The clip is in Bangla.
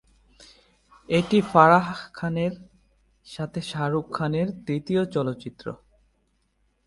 এটি ফারাহ খানের সাথে শাহরুখ খানের তৃতীয় চলচ্চিত্র।